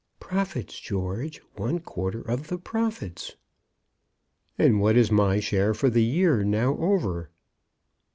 "Profits, George; one quarter of the profits." "And what is my share for the year now over?"